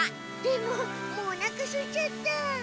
でももうおなかすいちゃった。